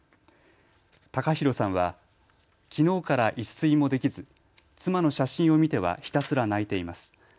貴寛さんはきのうから一睡もできず、妻の写真を見てはひたすら泣いています。